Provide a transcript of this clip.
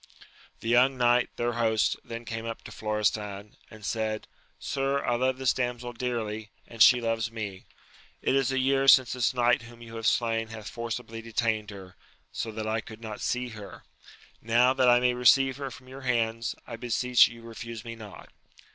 The young knight, their host, then came up to Florestan, and said, Sir, I love this damsel dearly, and she loves me. It is a year since this knight whom you have slain hath forcibly detained her, so that I could not see her : now, that I may receive her from your hands, I beseech you refuse me not.